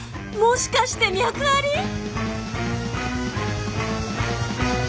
もしかして脈あり！？